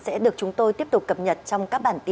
sẽ được chúng tôi tiếp tục cập nhật trong các bản tin